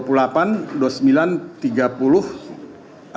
kemudian tanggal satu ya